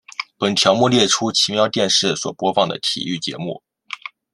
本条目列出奇妙电视所播放的体育节目。